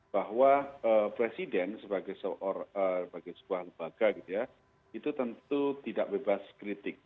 bahwa presiden sebagai sebuah lembaga gitu ya itu tentu tidak bebas kritik